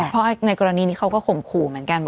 เพราะในกรณีนี้เขาก็ข่มขู่เหมือนกัน